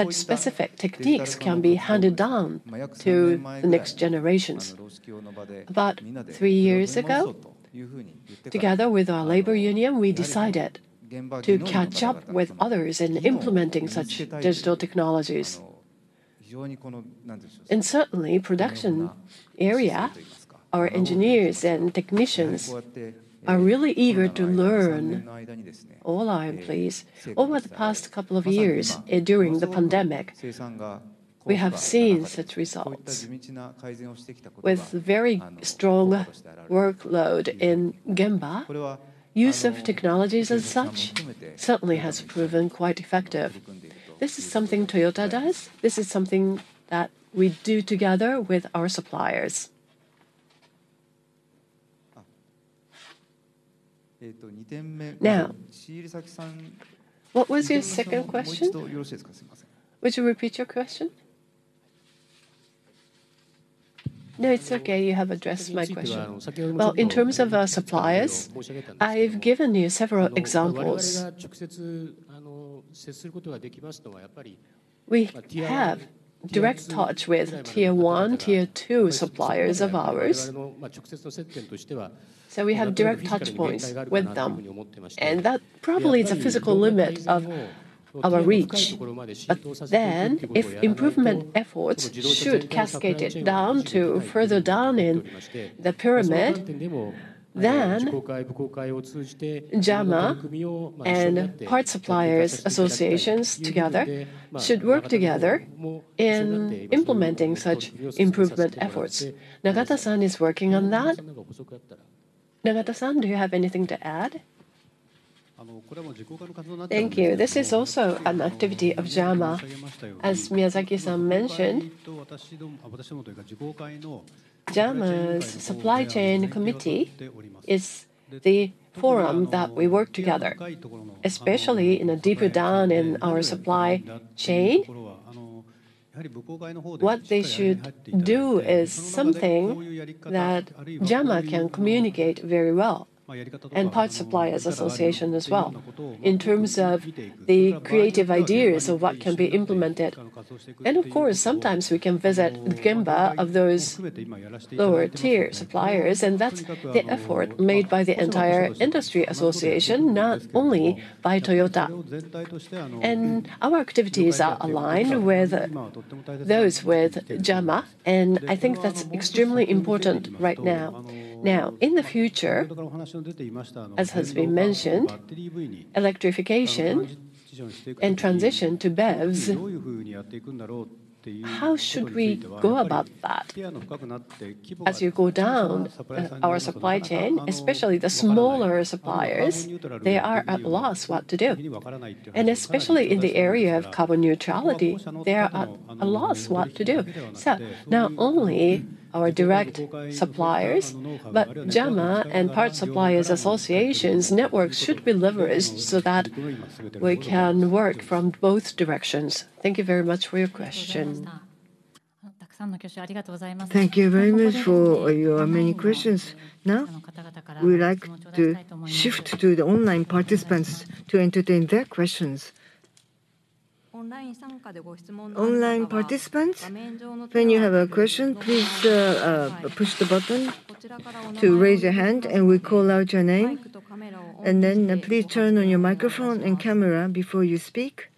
Such specific techniques can be handed down to the next generations. About three years ago, together with our labor union, we decided to catch up with others in implementing such digital technologies. Certainly, production area, our engineers and technicians are really eager to learn. All our employees, over the past couple of years, during the pandemic, we have seen such results. With very strong workload in Gemba, use of technologies as such certainly has proven quite effective. This is something Toyota does. This is something that we do together with our suppliers. Now, what was your second question? Would you repeat your question? No, it's okay. You have addressed my question. Well, in terms of our suppliers, I've given you several examples. We have direct touch with Tier One, Tier Two suppliers of ours, so we have direct touchpoints with them, and that probably is a physical limit of our reach. But then, if improvement efforts should cascade it down to further down in the pyramid, then JAMA and parts suppliers associations together should work together in implementing such improvement efforts. Nagata-san is working on that. Nagata-san, do you have anything to add? Thank you. This is also an activity of JAMA, as Miyazaki-san mentioned. JAMA's supply chain committee is the forum that we work together, especially in a deeper down in our supply chain. What they should do is something that JAMA can communicate very well. And parts suppliers association as well, in terms of the creative ideas of what can be implemented. And of course, sometimes we can visit the Gemba of those lower tier suppliers, and that's the effort made by the entire industry association, not only by Toyota. And our activities are aligned with those with JAMA, and I think that's extremely important right now. Now, in the future, as has been mentioned, electrification and transition to BEVs, how should we go about that? As you go down our supply chain, especially the smaller suppliers, they are at a loss what to do. And especially in the area of carbon neutrality, they are at a loss what to do. So not only our direct suppliers, but JAMA and parts suppliers associations networks should be leveraged so that we can work from both directions. Thank you very much for your question. Thank you very much for your many questions. Now, we would like to shift to the online participants to entertain their questions. Online participants, when you have a question, please, push the button to raise your hand, and we call out your name. And then, please turn on your microphone and camera before you speak.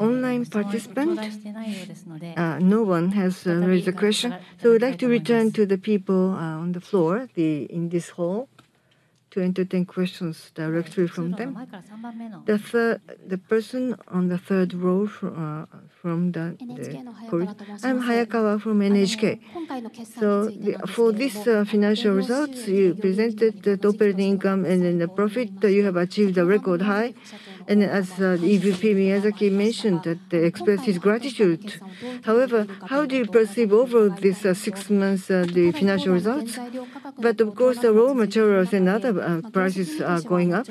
Online participant? No one has raised a question, so we'd like to return to the people, on the floor, the, in this hall, to entertain questions directly from them. The person on the third row from the porch. I'm Hayakawa from NHK. So for this financial results, you presented that operating income and then the profit, you have achieved a record high. And as, EVP Miyazaki mentioned, that he expressed his gratitude. However, how do you perceive over this six months the financial results? But of course, the raw materials and other prices are going up.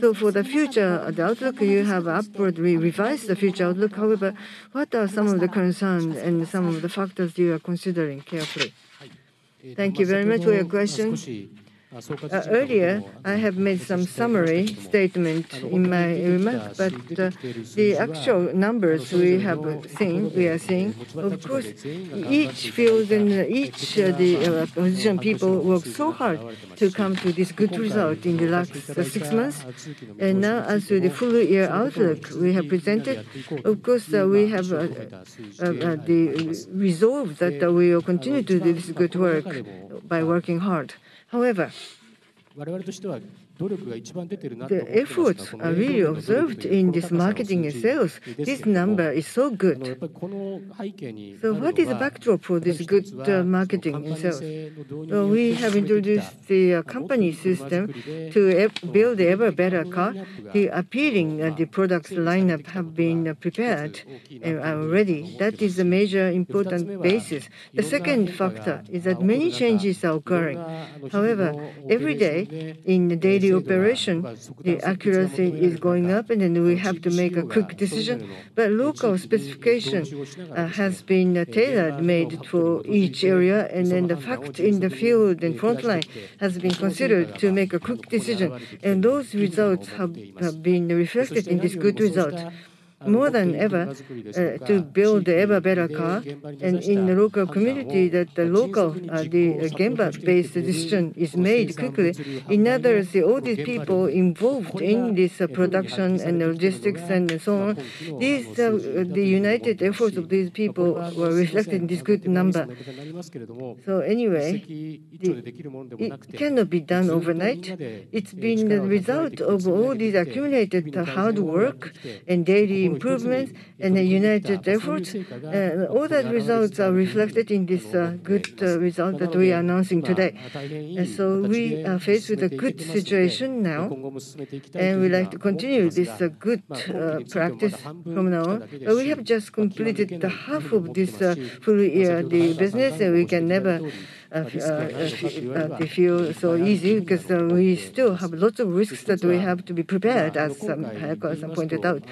So for the future, the outlook, you have upwardly revised the future outlook. However, what are some of the concerns and some of the factors you are considering carefully? Thank you very much for your question. Earlier, I have made some summary statement in my remarks, but the actual numbers we have seen, we are seeing, of course, each field and each position, people worked so hard to come to this good result in the last six months. And now, as to the full year outlook we have presented, of course, we have the resolve that we will continue to do this good work by working hard. However, the efforts are really observed in this marketing and sales. This number is so good. So what is the backdrop for this good marketing and sales? Well, we have introduced the company system to ever build an ever better car. The appealing the products lineup have been prepared and are ready. That is a major important basis. The second factor is that many changes are occurring. However, every day, in the daily operation, the accuracy is going up, and then we have to make a quick decision. But local specification has been tailor-made for each area, and then the fact in the field and frontline has been considered to make a quick decision, and those results have been reflected in this good result. More than ever, to build an ever better car, and in the local community, that the local, the gemba-based decision is made quickly. In other words, all these people involved in this, production and logistics and so on, these, the united efforts of these people were reflected in this good number. So anyway, it cannot be done overnight. It's been the result of all these accumulated hard work and daily improvements and the united efforts. All the results are reflected in this, good, result that we are announcing today. And so we are faced with a good situation now, and we'd like to continue this, good, practice from now on. We have just completed half of this full year, the business, and we can never feel so easy, because we still have lots of risks that we have to be prepared, as Hayakawa-san pointed out.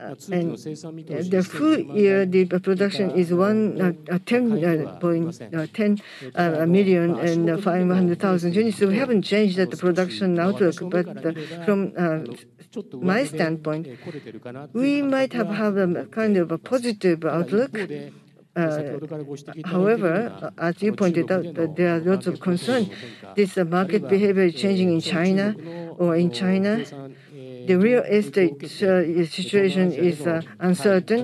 The full year, the production is one, 10.5 million units, so we haven't changed the production outlook. From my standpoint, we might have a kind of a positive outlook. However, as you pointed out, there are lots of concerns. This market behavior is changing in China. The real estate situation is uncertain,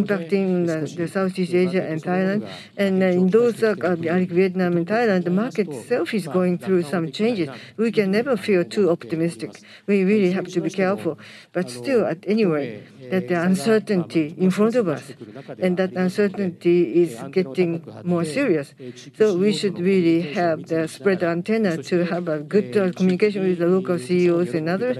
impacting Southeast Asia and Thailand. In Vietnam and Thailand, the market itself is going through some changes. We can never feel too optimistic. We really have to be careful. But still, anyway, there are uncertainty in front of us, and that uncertainty is getting more serious. So we should really have the spread antenna to have a good communication with the local CEOs and others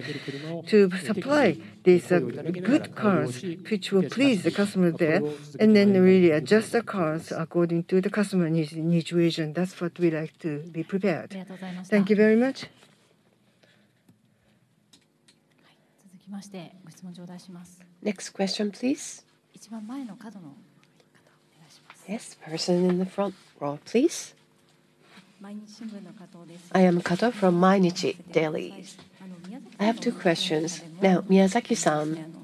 to supply these good cars, which will please the customer there, and then really adjust the cars according to the customer need, need situation. That's what we like to be prepared. Thank you very much. Next question, please. Yes, person in the front row, please. I am Kato from Mainichi Shimbun. I have two questions. Now, Miyazaki-san,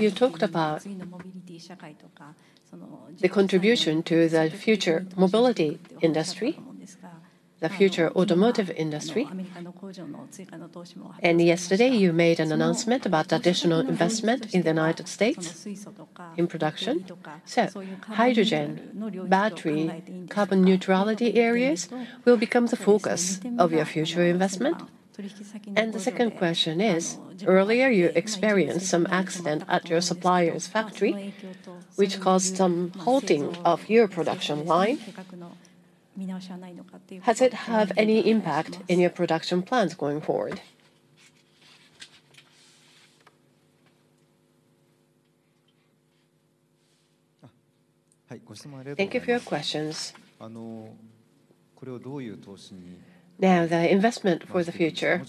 you talked about the contribution to the future mobility industry, the future automotive industry, and yesterday you made an announcement about additional investment in the United States in production. So hydrogen, battery, carbon neutrality areas will become the focus of your future investment? And the second question is, earlier, you experienced some accident at your supplier's factory, which caused some halting of your production line. Has it had any impact in your production plans going forward? Thank you for your questions. Now, the investment for the future,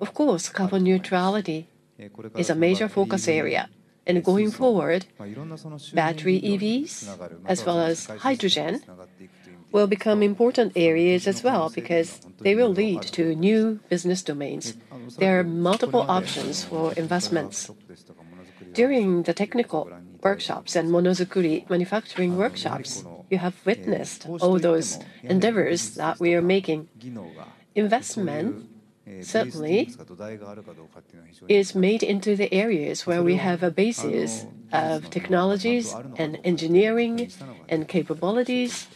of course, carbon neutrality is a major focus area, and going forward, battery EVs, as well as hydrogen, will become important areas as well, because they will lead to new business domains. There are multiple options for investments. During the technical workshops and Monozukuri manufacturing workshops, you have witnessed all those endeavors that we are making. Investment, certainly, is made into the areas where we have a basis of technologies and engineering and capabilities,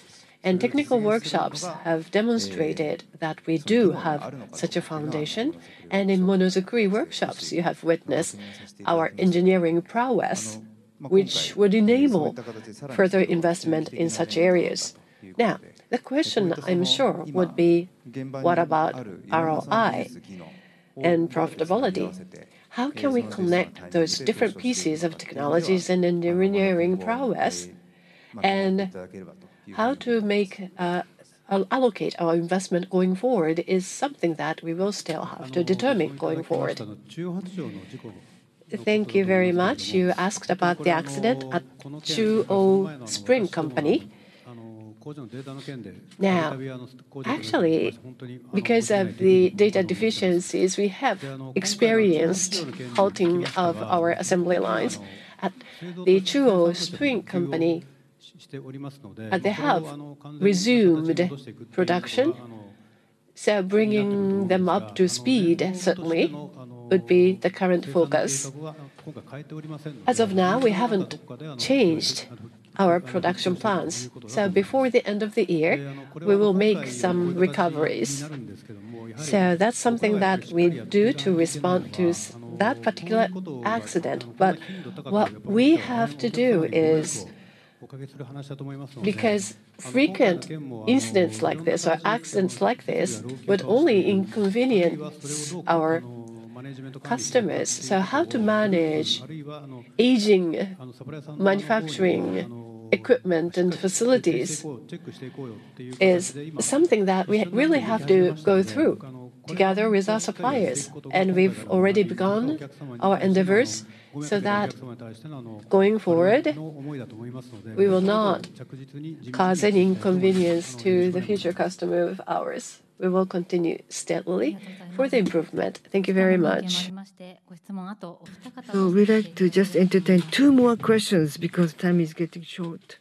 and technical workshops have demonstrated that we do have such a foundation. In Monozukuri workshops, you have witnessed our engineering prowess, which would enable further investment in such areas. Now, the question, I'm sure, would be: What about ROI and profitability? How can we connect those different pieces of technologies and engineering prowess? And how to allocate our investment going forward is something that we will still have to determine going forward. Thank you very much. You asked about the accident at Chuo Spring Company. Now, actually, because of the data deficiencies, we have experienced halting of our assembly lines at the Chuo Spring Company, but they have resumed production, so bringing them up to speed, certainly, would be the current focus. As of now, we haven't changed our production plans, so before the end of the year, we will make some recoveries. So that's something that we do to respond to that particular accident. But what we have to do is, because frequent incidents like this or accidents like this would only inconvenience our customers, so how to manage aging manufacturing equipment and facilities is something that we really have to go through together with our suppliers. And we've already begun our endeavors so that going forward, we will not cause any inconvenience to the future customer of ours. We will continue steadily for the improvement. Thank you very much. We'd like to just entertain two more questions, because time is getting short.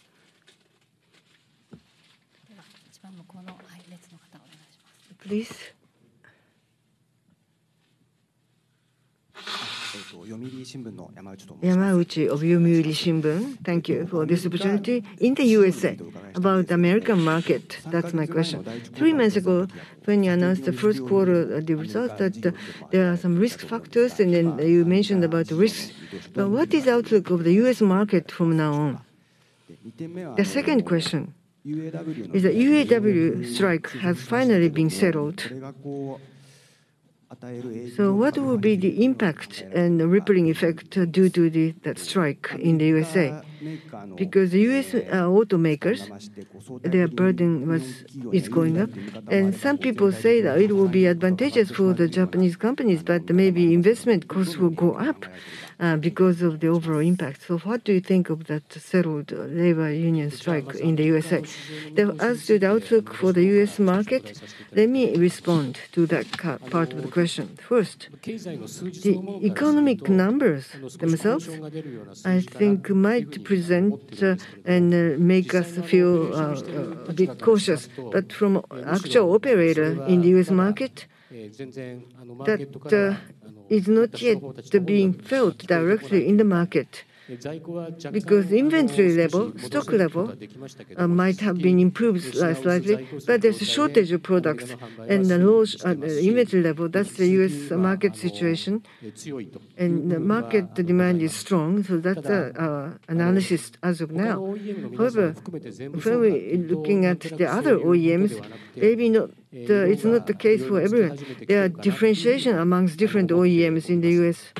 Please. Yamauchi of Yomiuri Shimbun. Thank you for this opportunity. In the USA, about American market, that's my question. Three months ago, when you announced the first quarter results, that there are some risk factors, and then you mentioned about risks, but what is outlook of the US market from now on? The second question is, the UAW strike has finally been settled, so what will be the impact and the rippling effect due to the... that strike in the USA? Because US automakers, their burden was, is going up, and some people say that it will be advantageous for the Japanese companies, but maybe investment costs will go up because of the overall impact. So what do you think of that settled labor union strike in the USA? The answer, the outlook for the U.S. market, let me respond to that part of the question. First, the economic numbers themselves, I think, might present and make us feel a bit cautious. But from actual operations in the U.S. market, that, Is not yet being felt directly in the market, because inventory level, stock level, might have been improved slight, slightly, but there's a shortage of products and the low inventory level, that's the US market situation. And the market, the demand is strong, so that's our, our analysis as of now. However, if we are looking at the other OEMs, maybe not, the, it's not the case for everyone. There are differentiation amongst different OEMs in the US.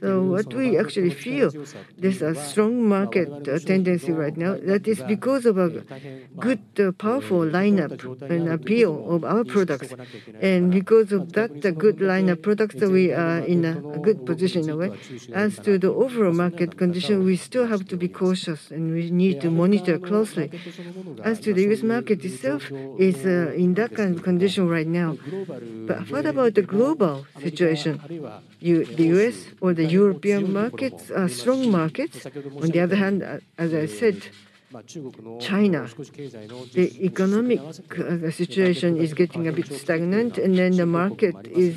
So what we actually feel, there's a strong market tendency right now. That is because of a good, powerful lineup and appeal of our products. And because of that, the good lineup products, we are in a, a good position now. As to the overall market condition, we still have to be cautious, and we need to monitor closely. As to the U.S. market itself, is in that kind of condition right now. But what about the global situation? The U.S. or the European markets are strong markets. On the other hand, as I said, China, the economic situation is getting a bit stagnant, and then the market is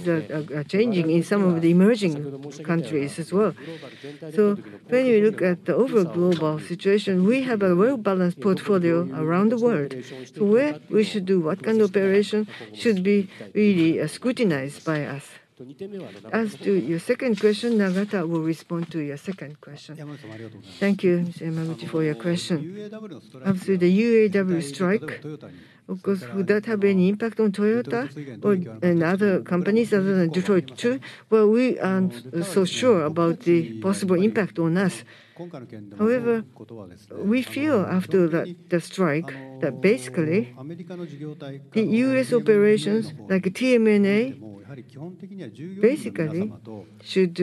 changing in some of the emerging countries as well. So when you look at the over global situation, we have a well-balanced portfolio around the world. So where we should do what kind of operation should be really scrutinized by us. As to your second question, Nagata will respond to your second question. Thank you, Mr. Yamauchi, for your question. After the UAW strike, of course, would that have any impact on Toyota or, and other companies other than Detroit, too? Well, we aren't so sure about the possible impact on us. However, we feel after the strike, that basically the U.S. operations, like TMNA, basically should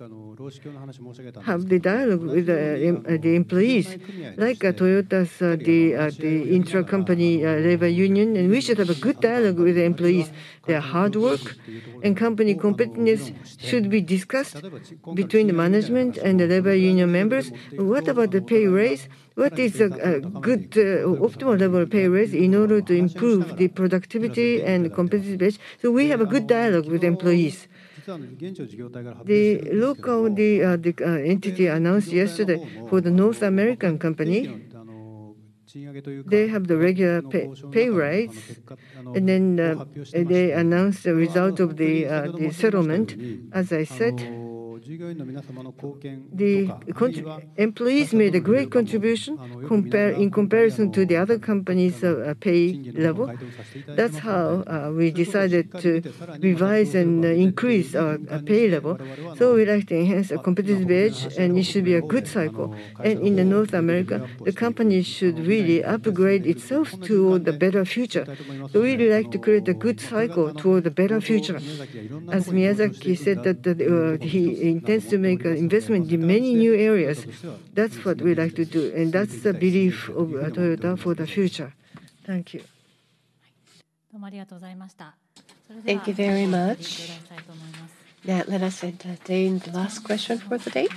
have the dialogue with the employees, like Toyota's intra-company labor union, and we should have a good dialogue with the employees. Their hard work and company competitiveness should be discussed between the management and the labor union members. What about the pay raise? What is a good optimal level of pay raise in order to improve the productivity and competitive edge? So we have a good dialogue with employees. The local entity announced yesterday for the North American company, they have the regular pay raise, and then they announced the result of the settlement. As I said, the employees made a great contribution in comparison to the other companies of pay level. That's how we decided to revise and increase our pay level. So we'd like to enhance the competitive edge, and it should be a good cycle. In North America, the company should really upgrade itself toward the better future. We would like to create a good cycle toward the better future. As Miyazaki said, that he intends to make an investment in many new areas. That's what we'd like to do, and that's the belief of Toyota for the future. Thank you. Thank you very much. Now, let us entertain the last question for the day.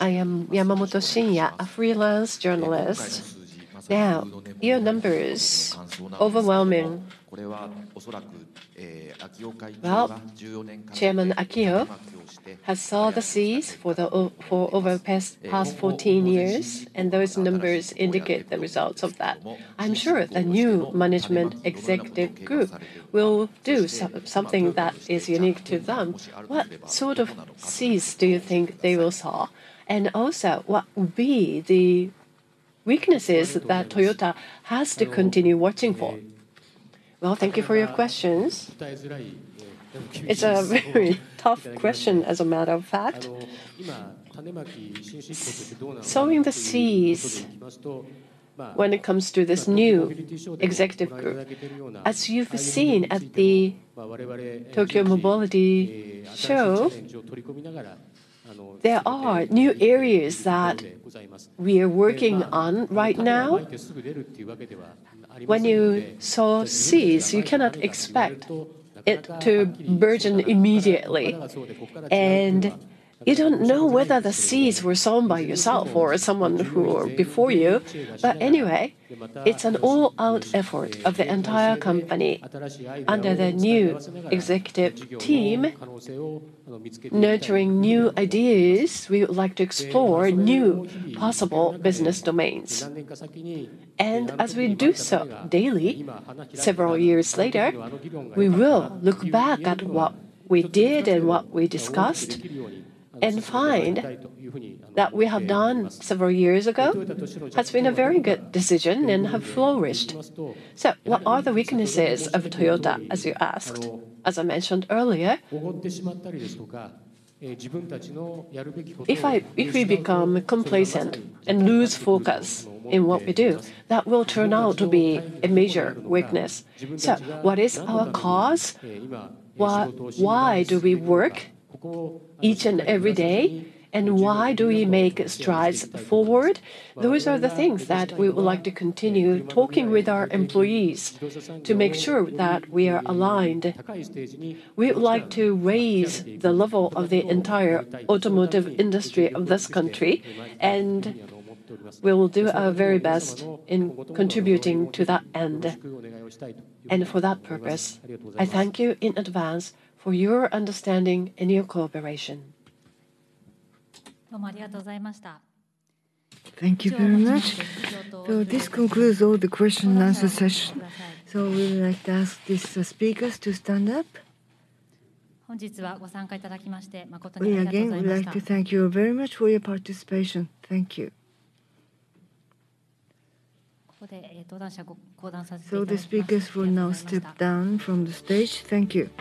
I am Yamamoto Shinya, a freelance journalist. Now, your numbers, overwhelming. Well, Chairman Akio has sown the seeds for over the past fourteen years, and those numbers indicate the results of that. I'm sure the new management executive group will do something that is unique to them. What sort of seeds do you think they will sow? And also, what would be the weaknesses that Toyota has to continue watching for? Well, thank you for your questions. It's a very tough question, as a matter of fact. Sowing the seeds when it comes to this new executive group, as you've seen at the Tokyo Mobility Show, there are new areas that we are working on right now. When you sow seeds, you cannot expect it to burgeon immediately, and you don't know whether the seeds were sown by yourself or someone who were before you. But anyway, it's an all-out effort of the entire company. Under the new executive team, nurturing new ideas, we would like to explore new possible business domains. As we do so daily, several years later, we will look back at what we did and what we discussed, and find that we have done several years ago, has been a very good decision and have flourished. So what are the weaknesses of Toyota, as you asked? As I mentioned earlier, if we become complacent and lose focus in what we do, that will turn out to be a major weakness. So what is our cause? Why do we work each and every day, and why do we make strides forward? Those are the things that we would like to continue talking with our employees to make sure that we are aligned. We would like to raise the level of the entire automotive industry of this country, and we will do our very best in contributing to that end. For that purpose, I thank you in advance for your understanding and your cooperation. Thank you very much. So this concludes all the question and answer session. So we would like to ask these speakers to stand up. We again would like to thank you very much for your participation. Thank you. So the speakers will now step down from the stage. Thank you.